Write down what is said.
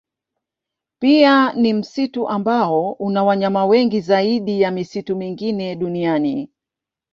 Pia ni msitu ambao una wanyama wengi zaidi ya misitu mingine duniani.